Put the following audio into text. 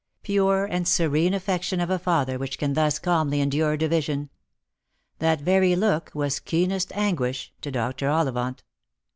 Pure and serene affection of a father which can thus calmly endure division! That very look was keenest anguish to Dr. Ollivant.